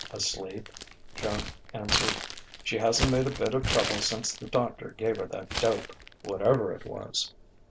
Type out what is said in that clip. "Asleep," Joan answered. "She hasn't made a bit of trouble since the doctor gave her that dope whatever it was."